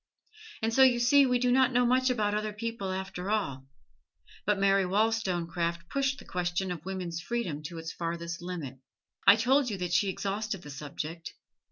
And so you see we do not know much about other people, after all. But Mary Wollstonecraft pushed the question of woman's freedom to its farthest limit; I told you that she exhausted the subject.